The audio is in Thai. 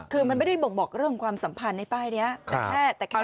คือมันไม่ได้บอกเรื่องความสัมพันธ์ในป้ายเนี่ยแต่แค่